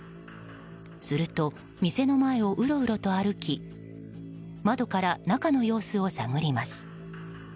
すると、店の前をうろうろと歩き窓から中の様子を探ります。